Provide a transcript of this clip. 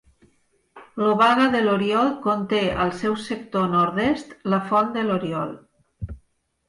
L'Obaga de l'Oriol conté, al seu sector nord-est, la Font de l'Oriol.